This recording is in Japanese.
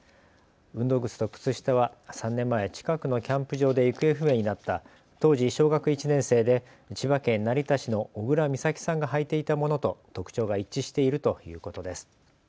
運動靴と靴下は３年前、近くのキャンプ場で行方不明になった当時、小学１年生で千葉県成田市の小倉美咲さんが履いていたものと特徴が一致しているということです。